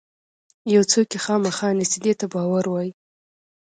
یو څوک یې خامخا نیسي دې ته باور وایي.